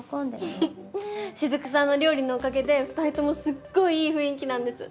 ふふっ雫さんの料理のおかげで二人ともすっごいいい雰囲気なんです。